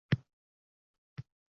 G’amzalar… oh bekor-ku, bekor…